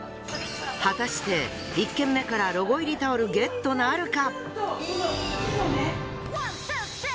果たして１軒目からロゴ入りタオルゲットなるか！？